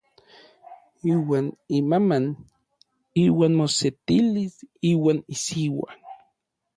Iuan imaman iuan mosetilis iuan isiua.